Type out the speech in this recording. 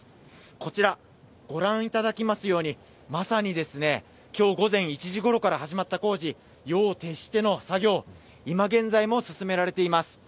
こちら御覧いただきますように、まさに今日午前１時ごろから始まった工事、夜を徹しての作業、今現在も進められています。